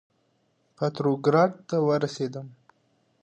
پتروګراډ ته ورسېدلم.